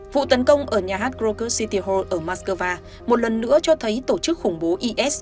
vụ tấn công ở nhà hát krokus city ho ở moscow một lần nữa cho thấy tổ chức khủng bố is